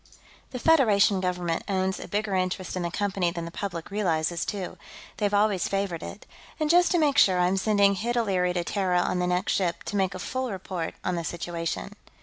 The Federation Government owns a bigger interest in the Company than the public realizes, too; they've always favored it. And just to make sure, I'm sending Hid O'Leary to Terra on the next ship, to make a full report on the situation."